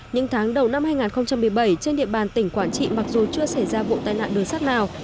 những tháng đầu năm hai nghìn một mươi bảy trên địa bàn tỉnh quảng trị mặc dù chưa xảy ra vụ tai nạn đường sắt nào